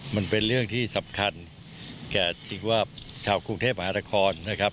มันเป็นเรื่องที่สำคัญแก่ชาวกรุงเทพมหาทะคอนนะครับ